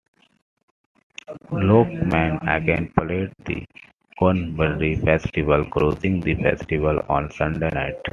Lakeman again played the Cornbury Festival, closing the festival on Sunday night.